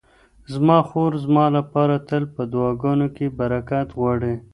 زما خور زما لپاره تل په دعاګانو کې برکت غواړي.